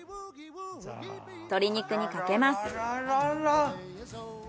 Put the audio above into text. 鶏肉にかけます。